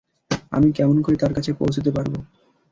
আমি কেমন করে তার কাছে পৌঁছতে পারব?